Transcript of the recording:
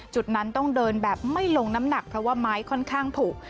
จุดนั้นต้องเดินแบบไม่ลงน้ำหนักเพราะว่าไม้ค่อนข้างผูก